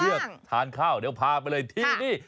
เลือกทานข้าวเดี๋ยวพาไปเลยที่นี่